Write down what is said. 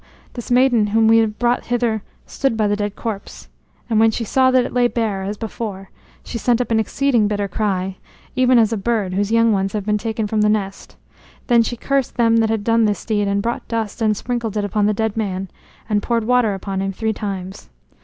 this maiden whom we have brought hither stood by the dead corpse. And when she saw that it lay bare as before, she sent up an exceeding bitter cry, even as a bird whose young ones have been taken from the nest. Then she cursed them that had done this deed, and brought dust and sprinkled it upon the dead man, and poured water upon him three times.